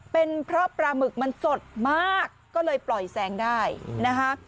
เป็นเพราะปลาหมึกมันสดมากก็เลยปล่อยแซงได้นะคะ